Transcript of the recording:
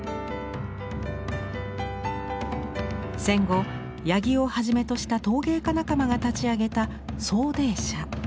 戦後八木をはじめとした陶芸家仲間が立ち上げた「走泥社」。